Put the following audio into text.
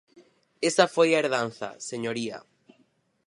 Esa foi a herdanza, señoría.